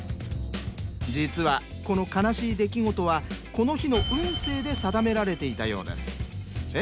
実はこの悲しい出来事はこの日の運勢で定められていたようです。え？